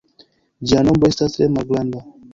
Ĝia nombro estas tre malgranda.